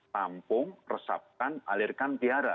tampung resapkan alirkan pihara